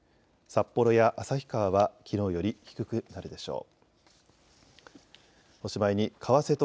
札幌や旭川はきのうより低くなるでしょう。